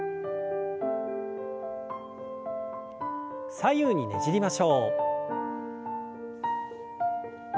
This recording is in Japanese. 左右にねじりましょう。